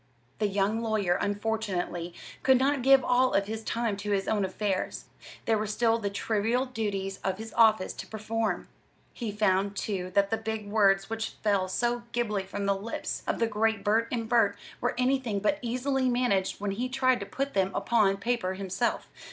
The young lawyer, unfortunately, could not give all of his time to his own affairs; there were still the trivial duties of his office to perform. He found, too, that the big words which fell so glibly from the lips of the great Burt & Burt were anything but easily managed when he tried to put them upon paper himself.